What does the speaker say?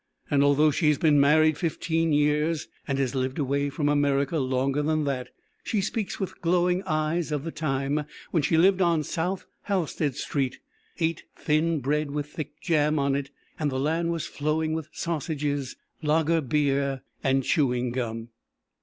Now, although she has been married fifteen years and has lived away from America longer than that, she speaks with glowing eyes of the time when she lived on South Halstad Street, ate thin bread with thick jam on it, and the land was flowing with sausages, lager beer and chewing gum.